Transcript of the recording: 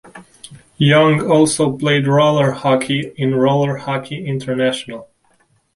Young also played roller hockey in Roller Hockey International.